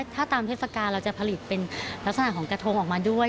ถ้าตามเทศกาลเราจะผลิตเป็นลักษณะของกระทงออกมาด้วย